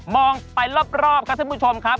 องไปรอบครับท่านผู้ชมครับ